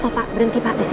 stop pak berhenti pak disini